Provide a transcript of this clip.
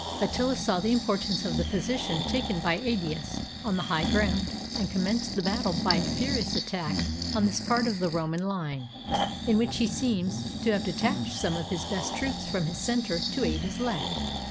Attila saw the importance of the position taken by Aetius on the high ground, and commenced the battle by a furious attack on this part of the Roman line, in which he seems to have detached some of his best troops from his center to aid his left.